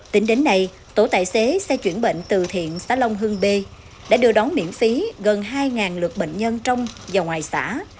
tính đến nay tổ tài xế xe chuyển bệnh từ thiện xã long hương b đã đưa đón miễn phí gần hai lượt bệnh nhân trong và ngoài xã